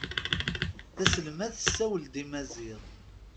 Taselmadt tessawel-ad i Maziɣ.